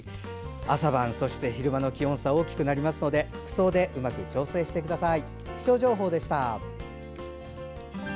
朝晩と昼間の気温差が大きくなりますので服装でうまく調整してください。